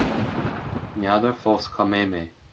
ní fheadar fós cá mbeidh mé